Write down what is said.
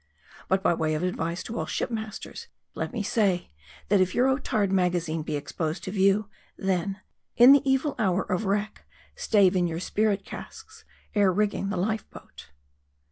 But by way of advice to all ship masters, let me say, that if your Otard magazine be exposed to view then, in the evil hour of wreck, stave in your spirit casks, ere rig ging the life boat.